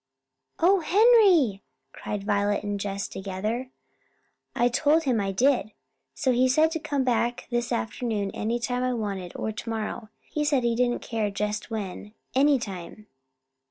"O Henry!" cried Violet and Jess together. "I told him I did, so he said to come back this afternoon any time I wanted, or tomorrow he said he didn't care just when any time."